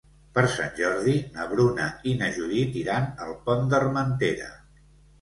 Per Sant Jordi na Bruna i na Judit iran al Pont d'Armentera.